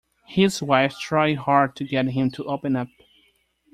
His wife tried hard to get him to open up.